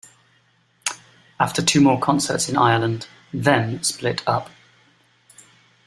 After two more concerts in Ireland, Them split up.